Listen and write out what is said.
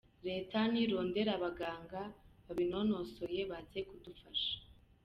Reta nirondera abaganga babinonosoye baze kudufasha.